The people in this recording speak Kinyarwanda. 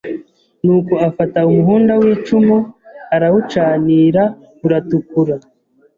Nuko afata umuhunda w' icumu arawucanira uratukura